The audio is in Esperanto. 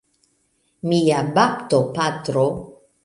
Mia baptopatro!